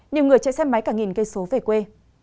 nhiều người chạy xe máy cả nghìn cây số về quê